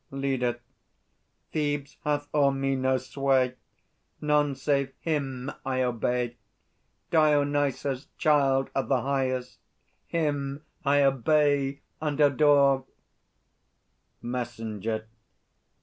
LEADER. Thebes hath o'er me no sway! None save Him I obey, Dionysus, Child of the Highest, Him I obey and adore! MESSENGER.